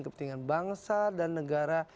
kepentingan bangsa dan negara